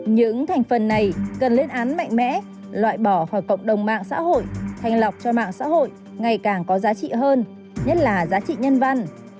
những thành phần này cần lên án mạnh mẽ loại bỏ khỏi cộng đồng mạng xã hội thành lọc cho mạng xã hội ngày càng có giá trị hơn nhất là giá trị nhân văn